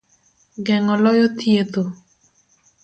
Geng'o loyo thietho.